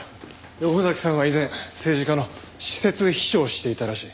横崎さんは以前政治家の私設秘書をしていたらしい。